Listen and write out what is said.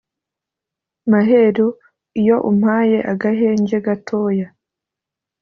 Maheru iyo umpaye Agahenge gatoya